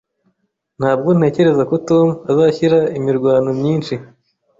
Ntabwo ntekereza ko Tom azashyira imirwano myinshi